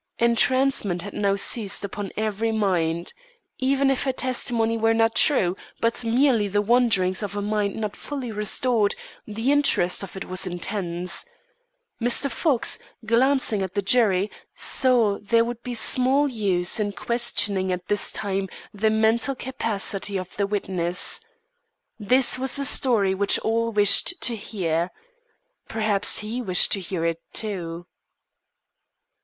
Entrancement had now seized upon every mind. Even if her testimony were not true, but merely the wanderings of a mind not fully restored, the interest of it was intense. Mr. Fox, glancing at the jury, saw there would be small use in questioning at this time the mental capacity of the witness. This was a story which all wished to hear. Perhaps he wished to hear it, too.